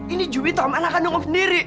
ini juwita om anak kandung om sendiri